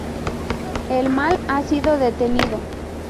El mal ha sido detenido.